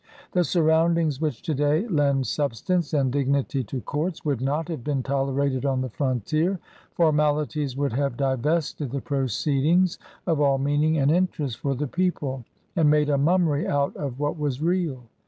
The surroundings which to day lend substance and dignity to courts would not have been tolerated on the frontier. Formalities would have divested the proceedings of all meaning and interest for the people, and made a mummery out of what was real.